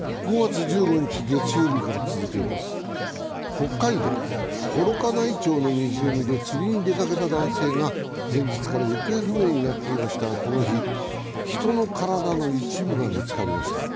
北海道・幌加内町の湖で釣りに出かけた男性が前日から行方不明になっていましたが、この日、人の体の一部が見つかりました。